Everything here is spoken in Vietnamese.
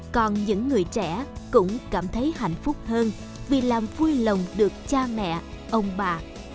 còn những người trẻ cũng cảm thấy hạnh phúc hơn vì làm vui lồng được cha mẹ ông bà